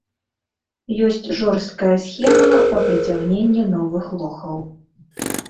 Ёсць жорсткая схема па прыцягненні новых лохаў.